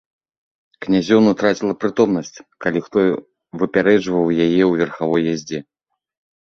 Князёўна траціла прытомнасць, калі хто выпярэджваў яе ў верхавой яздзе.